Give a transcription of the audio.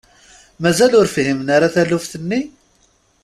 Mazal ur fhiment ara taluft-nni?